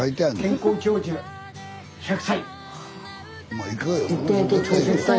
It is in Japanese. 「健康長寿１００歳」。